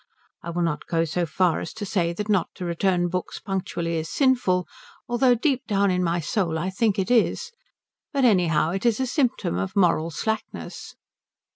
I will not go so far as to say that not to return books punctually is sinful, though deep down in my soul I think it is, but anyhow it is a symptom of moral slackness.